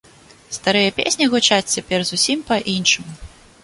Старыя песні гучаць цяпер зусім па-іншаму.